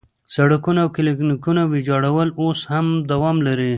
سړکونه او کلینیکونه ویجاړول اوس هم دوام لري.